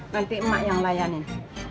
nanti mak yang layanin